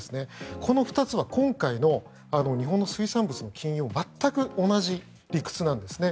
この２つは今回の日本の水産物の禁輸と全く同じ理屈なんですね。